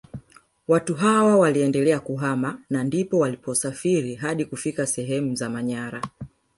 Watu hawa waliendelea kuhama na ndipo waliposafiri hadi kufika sehemu za Manyara